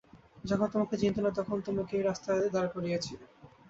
যখন তোমাকে চিনতুম না তখন তোমাকে এই রাস্তায় দাঁড় করিয়েছি।